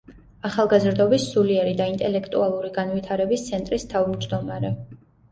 ახალგაზრდობის სულიერი და ინტელექტუალური განვითარების ცენტრის თავმჯდომარე.